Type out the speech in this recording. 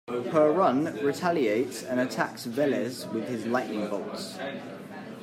Perun retaliates and attacks Veles with his lightning bolts.